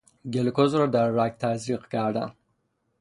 گلوکز را در رگ تزریق کردن